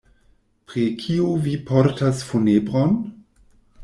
Pri kiu vi portas funebron?